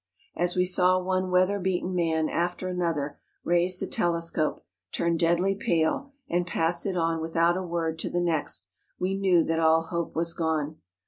As we saw one weather beaten man after another raise the telescope, turn deadly pale, and pass it on without a word to the next we knew that all hope was gone.